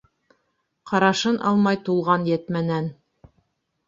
Ҡарашын алмай тулған йәтмәнән.